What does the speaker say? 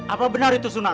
apa benar itu sunan